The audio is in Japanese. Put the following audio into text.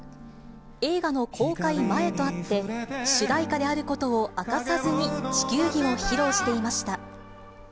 映画の公開前とあって、主題歌であることを明かさずに地球儀を披露していました。